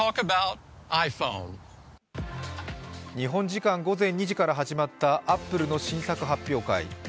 日本時間午前２時から始まったアップルの新作発表会。